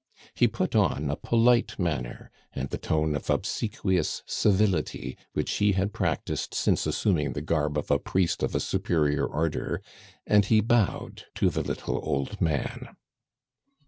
He put on a polite manner and the tone of obsequious civility which he had practised since assuming the garb of a priest of a superior Order, and he bowed to the little old man.